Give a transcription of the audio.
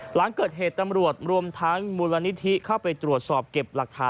หลังเกิดเหตุตำรวจรวมทั้งมูลนิธิเข้าไปตรวจสอบเก็บหลักฐาน